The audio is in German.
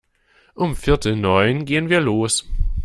Um viertel neun gehn wir los.